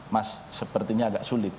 mas sepertinya agak sulit